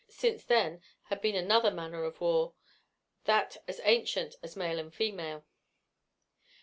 Since then had been another manner of war, that as ancient as male and female.